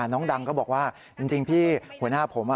น้องดังก็บอกว่าจริงพี่หัวหน้าผม